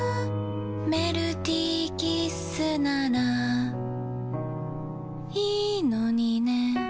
メルティーキッスならいいのにね